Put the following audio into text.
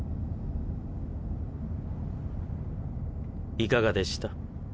いかがでした？